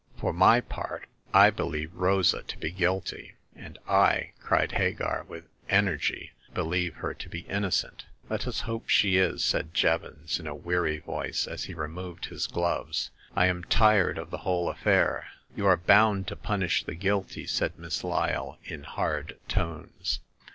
For my part, I believe Rosa to be guilty." " And I," cried Hagar, with energy, *' believe her to be innocent !'"Let us hope she is," said Jevons, in a weary voice, as he removed his gloves. I am tired of the whole affair." You are bound to punish the guilty !" said Miss Lyle, in hard tones.